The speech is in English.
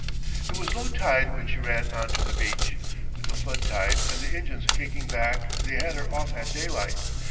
It was low tide when she ran on to the beach. With the flood tide and the engines kicking back they had her off at daylight.